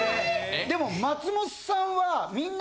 ・でも松本さんは。